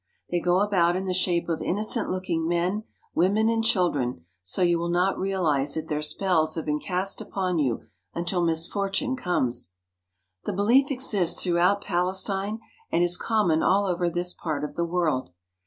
They go about in the shape of innocent looking men, women, and children, so you will not realize that their spells have been cast upon you until misfortune comes. The belief exists throughout Palestine and is common all over this part of the world.